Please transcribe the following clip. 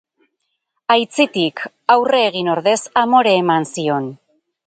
Aitzitik, aurre egin ordez, amore eman zion.